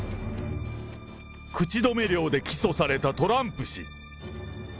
口止め料で起訴されたトランプ氏。